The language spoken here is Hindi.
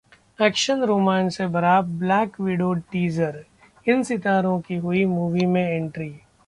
एक्शन-रोमांच से भरा ब्लैक विडो टीजर, इन सितारों की हुई मूवी में एंट्री